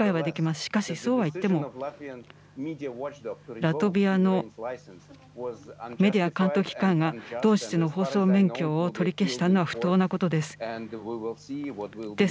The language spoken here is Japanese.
しかしそうはいっても、ラトビアのメディア監督機関がドーシチの放送免許を取り消したのは、不当なことです。